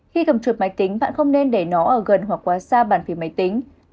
khi cầm chuột máy tính bạn không nên để nó ở gần hoặc quá xa bàn phím máy tính